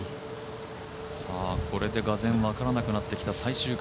これで、がぜん分からなくなってきた最終組。